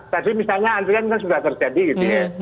tadi misalnya antrian kan sudah terjadi gitu ya